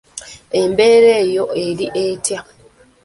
Embeera yo eri etya?